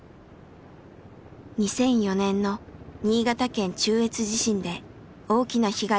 ２００４年の新潟県中越地震で大きな被害を受けた山古志。